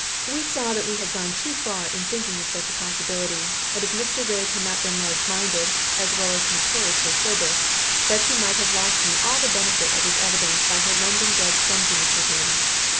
We saw that we had gone too far in thinking of such a possibility; and if Mr. Rigg had not been large minded, as well as notoriously sober, Betsy might have lost me all the benefit of his evidence by her London bred clumsiness with him.